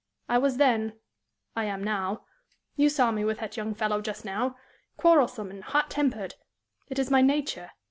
I was then I am now you saw me with that young fellow just now quarrelsome and hot tempered. It is my nature."